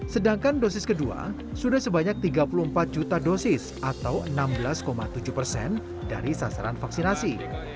sedangkan dosis kedua sudah sebanyak tiga puluh empat juta dosis atau enam belas tujuh persen dari sasaran vaksinasi